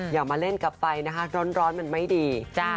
อย่ามาเล่นกลับไปนะคะร้อนมันไม่ดี